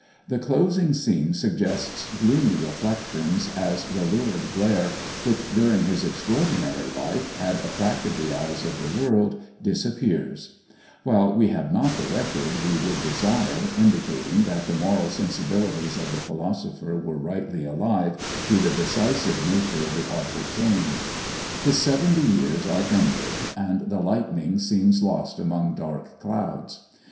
"The closing scene suggests gloomy reflections, as the lurid glare, which, during his extraordinary life, had attracted the eyes of the world, disappears; while we have not the record we could desire, indicating that the moral sensibilities of the Philosopher were rightly alive to the decisive nature of the awful change. His seventy years are ended, and the lightning seems lost among dark clouds.